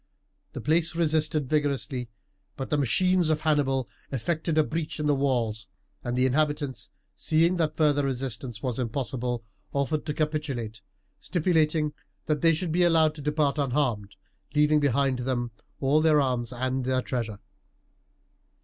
The place resisted vigourously, but the machines of Hannibal effected a breach in the walls, and the inhabitants, seeing that further resistance was impossible, offered to capitulate, stipulating that they should be allowed to depart unharmed, leaving behind them all their arms and their treasure.